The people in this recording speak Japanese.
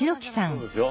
そうですよ。